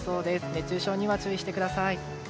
熱中症には注意してください。